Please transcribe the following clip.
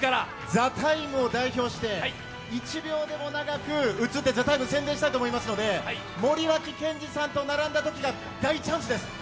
「ＴＨＥＴＩＭＥ，」を代表して１秒でも長く映りたいと思いますから、森脇健児さんと並んだときが大チャンスです。